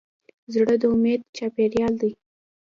زړه د امید چاپېریال دی.